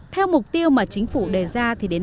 theo mục tiêu mà chính phủ đề ra thì đến nay